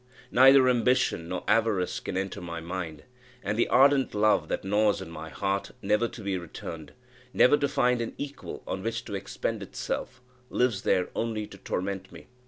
Neither ambition nor avarice can enter my mind, and the ardent love that gnaws at my heart, never to be returned never to find an equal on which to expend itself lives there only to torment me.